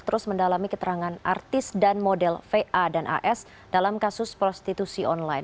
terus mendalami keterangan artis dan model va dan as dalam kasus prostitusi online